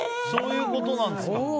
そういうことなんですか。